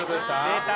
出た！